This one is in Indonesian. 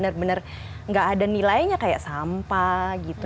benar benar nggak ada nilainya kayak sampah gitu